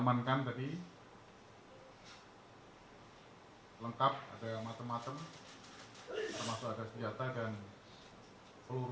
mengenai arahan siaga satu polri dan metro jaya saya enggak kurang monitor